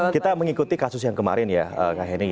kita mengikuti kasus yang kemarin ya kak hening